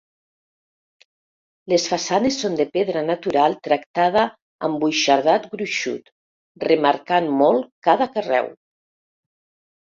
Les façanes són de pedra natural tractada amb buixardat gruixut, remarcant molt cada carreu.